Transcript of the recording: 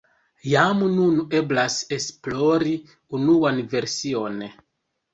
Jam nun eblas esplori unuan version.